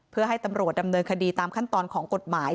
เพื่อให้ตำรวจดำเนินคดีตามขั้นตอนของกฎหมาย